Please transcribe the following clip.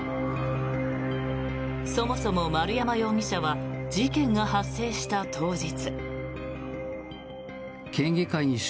そもそも丸山容疑者は事件が発生した当日。